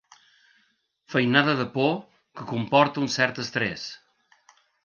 Feinada de por que comporta un cert estrés.